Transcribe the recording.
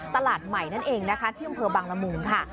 ตลาดใหม่นั่นเองนะคะเที่ยวเมืองบางรมูมค่ะ